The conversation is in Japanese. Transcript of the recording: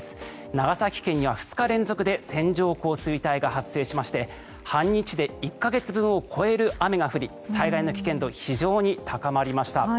長崎県では２日連続で線状降水帯が発生しまして半日で１か月分を超える雨が降り災害の危険度非常に高まりました。